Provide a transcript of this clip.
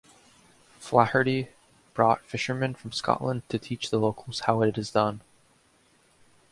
Flaherty brought fisherman from Scotland to teach the locals how it is done.